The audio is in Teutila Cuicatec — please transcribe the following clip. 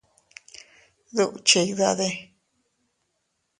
¿Duʼu chidade?